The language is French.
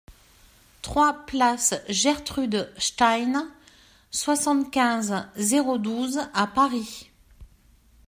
trois pL GERTRUDE STEIN, soixante-quinze, zéro douze à Paris